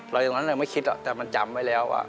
เรายังไม่คิดแต่มันจำไว้แล้วว่า